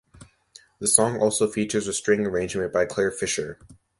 The song also features a string arrangement by Clare Fischer.